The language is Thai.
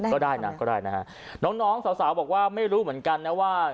ก็ได้นะก็ได้นะฮะน้องสาวบอกว่าไม่รู้เหมือนกันนะว่า